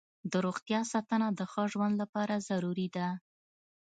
د روغتیا ساتنه د ښه ژوند لپاره ضروري ده.